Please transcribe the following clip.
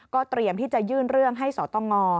เตรียมที่จะยื่นเรื่องให้สตง